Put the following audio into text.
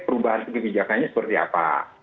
perubahan kebijakannya seperti apa